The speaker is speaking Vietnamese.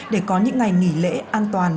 để có những ngày nghỉ lễ an toàn